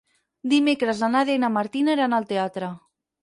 Dimecres na Nàdia i na Martina iran al teatre.